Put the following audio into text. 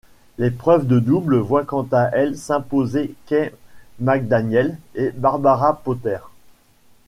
L'épreuve de double voit quant à elle s'imposer Kay McDaniel et Barbara Potter.